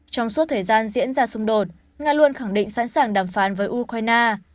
trong suốt thời gian diễn ra xung đột nga luôn khẳng định sẵn sàng đàm phán với ukraine